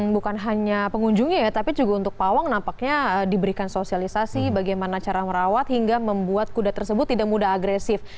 bukan hanya pengunjungnya ya tapi juga untuk pawang nampaknya diberikan sosialisasi bagaimana cara merawat hingga membuat kuda tersebut tidak mudah agresif